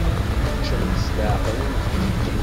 Ččemt s leɛqel-nkent.